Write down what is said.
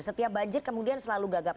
setiap banjir kemudian selalu gagap